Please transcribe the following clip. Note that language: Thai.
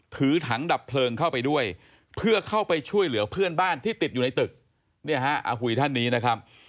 ถือถังดับเพลิงเข้าไปด้วยเพื่อเข้าไปช่วยเหลือเพื่อนบ้านที่ติดอยู่ในตึกเนี่ยฮะอาหุยท่านนี้นะครับ